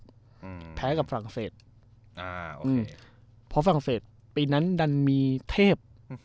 อืมแพ้กับภรรคเศสอ่าเพราะฝั่งเศสปีนั้นดันมีเทพ